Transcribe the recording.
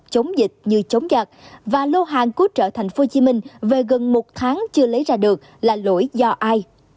chống dịch như chống giặc và lô hàng cứu trợ tp hcm về gần một tháng chưa lấy ra được là lỗi do ai